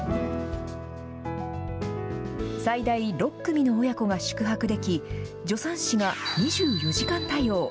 最大６組の親子が宿泊でき、助産師が２４時間対応。